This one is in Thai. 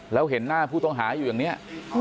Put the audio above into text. แล้วเห็นหน้าผู้ต้องหาอยู่อย่างนี้